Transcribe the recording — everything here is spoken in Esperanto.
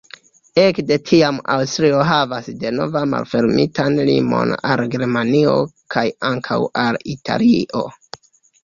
Ekde tiam Aŭstrio havas denova malfermitan limon al Germanio kaj ankaŭ al Italio.